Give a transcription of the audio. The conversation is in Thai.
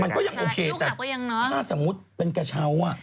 มันก็ยังโอเคแต่ถ้าสมมุติเป็นกระเช้า